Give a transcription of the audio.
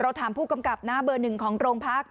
เราถามผู้กำกับหน้าเบอร์หนึ่งของโรงพักษณ์